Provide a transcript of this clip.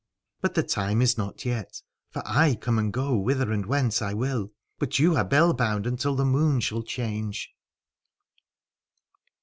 But the time is not yet : for I come and go whither and whence I will, but you are bell bound until the moon shall change.